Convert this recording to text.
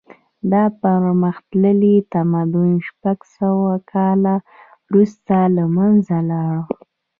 دا پرمختللی تمدن شپږ سوه کاله وروسته له منځه لاړ.